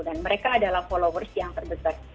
dan mereka adalah followers yang terbesar